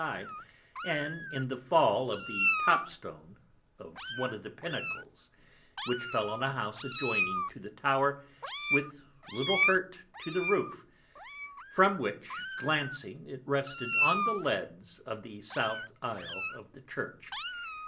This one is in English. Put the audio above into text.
side, and in the fall of the Top stone of one of the Pinnacles, which fell on a House adjoining to the Tower with little hurt to the Roof, from which glancing it rested on the Leads of the South Isle of the Church.